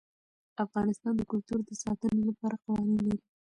افغانستان د کلتور د ساتنې لپاره قوانین لري.